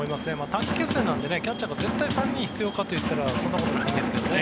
短期決戦なのでキャッチャーが絶対３人必要かといったらそんなことないですけどね。